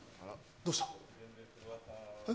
どうした？